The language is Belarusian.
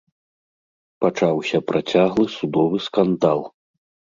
Пачаўся працяглы судовы скандал.